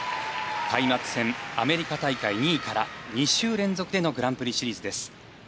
開幕戦アメリカ大会２位から２週連続でのグランプリシリーズです。